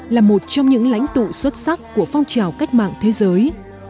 là một trong những lãnh tụ xuất sắc của phong trào cách mạng thế giới